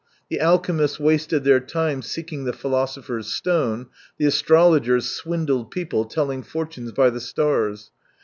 The alchemists wasted their time seeking the philosopher's stone ; the astrologers, swindled people telling fortunes by the stars.